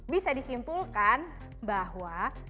bisa disimpulkan bahwa